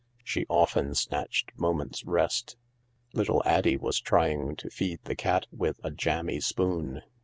She often snatched moments' rest. Little Addie was trying to feed the cat with a jammy spoon.